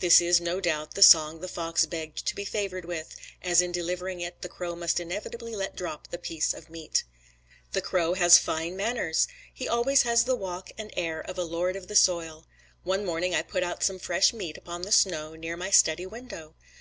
This is, no doubt, the song the fox begged to be favored with, as in delivering it the crow must inevitably let drop the piece of meat. The crow has fine manners. He always has the walk and air of a lord of the soil. One morning I put out some fresh meat upon the snow near my study window.